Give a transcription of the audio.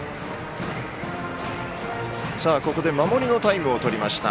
ここで守りのタイムを取りました。